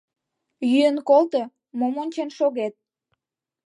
Йӱын колто, мом ончен шогет.